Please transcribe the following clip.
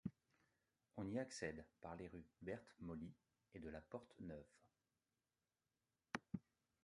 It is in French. On y accède par les rues Berthe-Molly et de la Porte-Neuve.